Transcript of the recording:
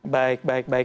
baik baik baik